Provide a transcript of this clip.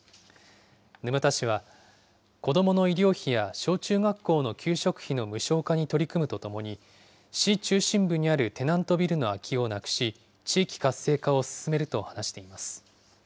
沼田氏は、子どもの医療費や小中学校の給食費の無償化に取り組むとともに、市中心部にあるテナントビルの空きをなくし、地域活性化を進めると話しています。